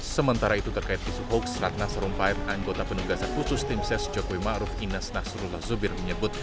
sementara itu terkait isu hoax ratna serumpahir anggota penugasan khusus tim ses jokowi ma'ruf ines nasrullah zubir menyebut